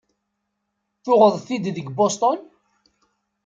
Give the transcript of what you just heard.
Tuɣeḍ-t-id deg Boston?